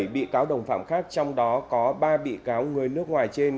một mươi bảy bị cáo đồng phạm khác trong đó có ba bị cáo người nước ngoài trên